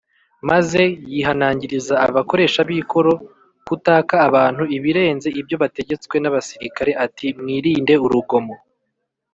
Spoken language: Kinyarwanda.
’’ Maze yihanangiriza abakoresha b’ikoro kutaka abantu ibirenze ibyo bategetswe, n’abasirikare ati mwirinde urugomo